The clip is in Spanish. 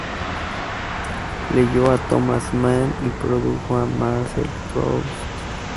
Leyó a Thomas Mann y tradujo a Marcel Proust.